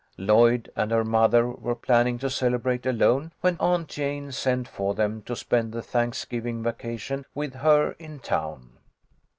Lloyd and her mother were planning to celebrate alone when Aunt Jane sent for them to spend the Thanksgiving vacation with her in town.